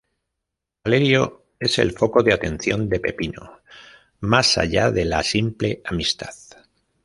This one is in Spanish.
Valerio es el foco de atención de Peppino, más allá de la simple amistad.